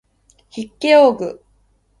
筆記用具